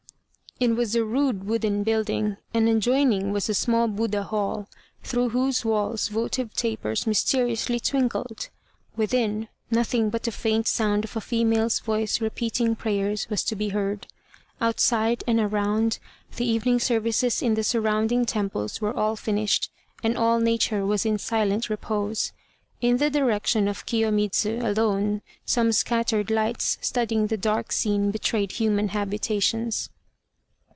It was a rude wooden building, and adjoining was a small Buddha Hall, through whose walls votive tapers mysteriously twinkled. Within, nothing but the faint sound of a female's voice repeating prayers was to be heard. Outside, and around, the evening services in the surrounding temples were all finished, and all Nature was in silent repose. In the direction of Kiyomidz alone some scattered lights studding the dark scene betrayed human habitations.